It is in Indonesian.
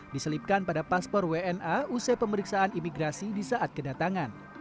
diselipkan pada paspor wna usai pemeriksaan imigrasi di saat kedatangan